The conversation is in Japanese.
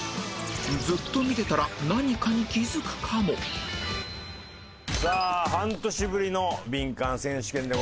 ずっと見てたら何かに気づくかもさあ半年ぶりのビンカン選手権でございますけどもね。